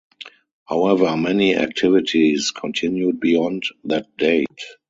However, many activities continued beyond that date.